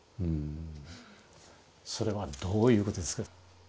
それはどういうことですか？